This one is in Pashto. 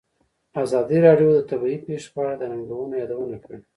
ازادي راډیو د طبیعي پېښې په اړه د ننګونو یادونه کړې.